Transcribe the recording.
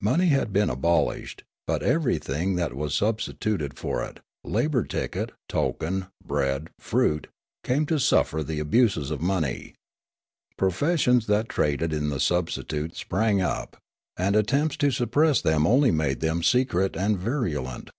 Money had been abolished, but everything that was substituted for it — labour ticket, token, bread, fruit — came to suffer the abuses of monej' ; professions that traded in the substi tute sprang up, and attempts to suppress them only made them secret and virulent.